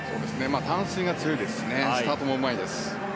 短水路が強いですしスタートもうまいです。